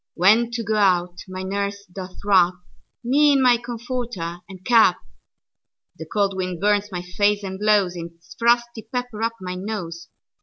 When to go out, my nurse doth wrapMe in my comforter and cap; The cold wind burns my face, and blowsIts frosty pepper up my nose.